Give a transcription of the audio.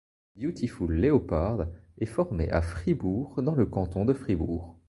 Beautiful Leopard est formé à Fribourg, dans le Canton de Fribourg.